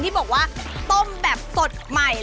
ที่บอกว่าต้มแบบสดใหม่